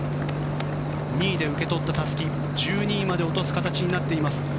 ２位で受け取ったたすきを１２位まで落とす形になっています。